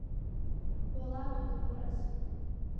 Кола тудо пырыс.